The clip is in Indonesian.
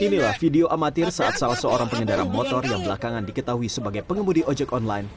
inilah video amatir saat salah seorang pengendara motor yang belakangan diketahui sebagai pengemudi ojek online